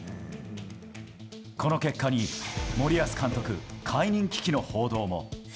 この結果に森保監督解任危機の報道も。